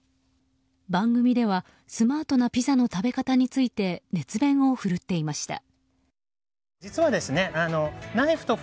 番組ではスマートなピザの食べ方について熱弁を振るっていました。